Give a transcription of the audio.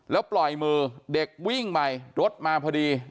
แล้วปล่อยมือเด็กวิ่งไปรถมาพอดี